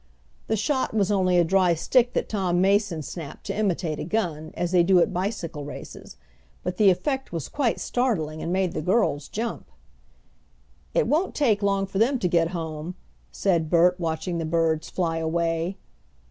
The shot was only a dry stick that Tom Mason snapped to imitate a gun, as they do at bicycle races, but the effect was quite startling and made the girls jump. "It won't take long for them to get home!" said Bert, watching the birds fly away.